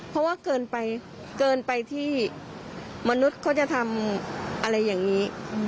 เพราะว่าเกินไปเกินไปที่มนุษย์เขาจะทำอะไรอย่างนี้